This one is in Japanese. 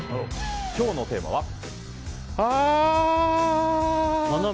今日のテーマはうわ！